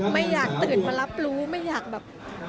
ไม่อยากตื่นมารับรู้ไม่อยากแบบ